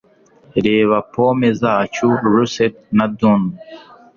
Reba pome zacu Russet na dun